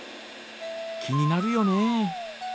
気になるよね。